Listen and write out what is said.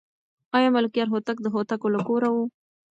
آیا ملکیار هوتک د هوتکو له کوره و؟